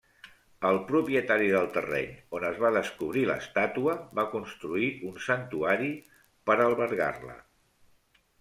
El propietari del terreny on es va descobrir l'estàtua va construir un santuari per albergar-la.